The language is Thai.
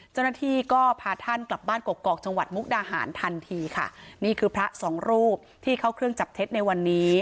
เจ้าหน้าที่ก็พาท่านกลับบ้านกกอกจังหวัดมุกดาหารทันทีค่ะนี่คือพระสองรูปที่เข้าเครื่องจับเท็จในวันนี้